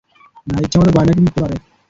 ইচ্ছামত গয়না কিনতে পারে।